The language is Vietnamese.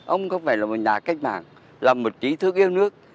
ông không phải là một nhà cách mạng là một trí thức yêu nước